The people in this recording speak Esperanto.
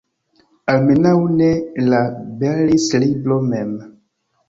Almenaŭ ne la Berlitz-libro mem.